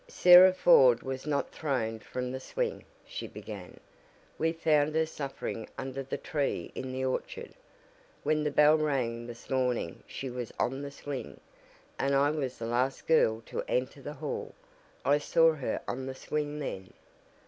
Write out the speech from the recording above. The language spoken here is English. "Sarah Ford was not thrown from the swing," she began. "We found her suffering under the tree in the orchard. When the bell rang this morning she was on the swing, and I was the last girl to enter the hall. I saw her on the swing then."